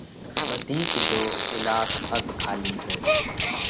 ٻڌي ڪِيڌو: ڳِلاس اڌ کالِي سئہ۔